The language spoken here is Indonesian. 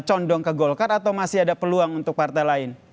condong ke golkar atau masih ada peluang untuk partai lain